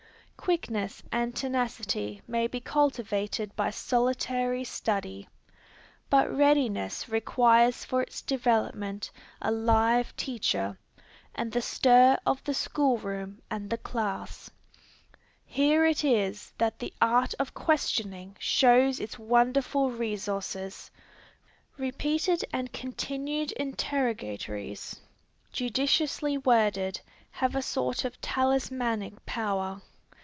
Quickness and tenacity may be cultivated by solitary study. But readiness requires for its development a live teacher, and the stir of the school room and the class. Here it is that the art of questioning shows its wonderful resources. Repeated and continued interrogatories, judiciously worded, have a sort of talismanic power.